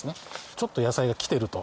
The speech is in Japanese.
ちょっと野菜がきてると。